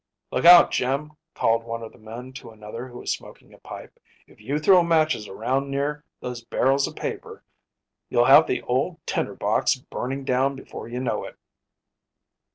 “Look out, Jim,‚ÄĚ called one of the men to another who was smoking a pipe, “if you throw matches around near those barrels of paper you’ll have the old tinder box burning down before you know it.